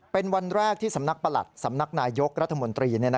เป็นวันแรกที่สำนักประหลัดสำนักนายยกรัฐมนตรี